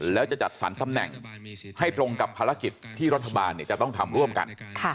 แล้วจะจัดสรรตำแหน่งให้ตรงกับภารกิจที่รัฐบาลจะต้องทำร่วมกัน